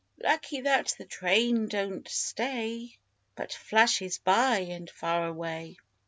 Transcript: Lucky that the train don't stay, But flashes by and far away!